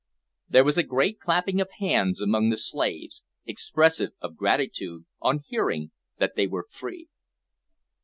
There was a great clapping of hands among the slaves, expressive of gratitude, on hearing that they were free.